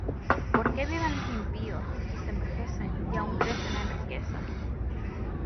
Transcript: ¿Por qué viven los impíos, Y se envejecen, y aun crecen en riquezas?